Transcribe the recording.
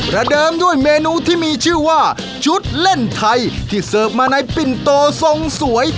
ระเดิมด้วยเมนูที่มีชื่อว่าชุดเล่นไทยที่เสิร์ฟมาในปิ่นโตทรงสวย